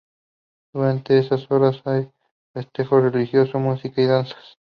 Durante esas horas hay festejo religioso, música y danzas.